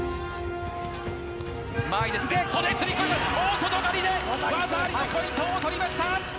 袖釣り込み、大外刈りで技ありのポイントを取りました。